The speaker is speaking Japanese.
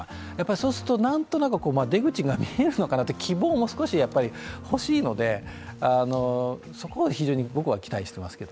そうすると何となく出口が見えるのかなという希望も少し欲しいので、そこを僕は非常に期待しています。